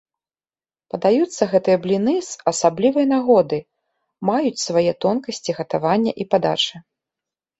Падаюцца гэтыя бліны з асаблівай нагоды, маюць свае тонкасці гатавання і падачы.